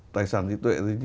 tài sản trí tuệ